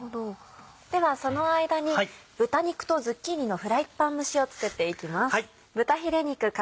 ではその間に豚肉とズッキーニのフライパン蒸しを作っていきます。